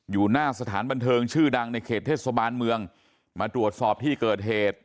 อยู่หน้าสถานบันเทิงชื่อดังในเขตเทศบาลเมืองมาตรวจสอบที่เกิดเหตุ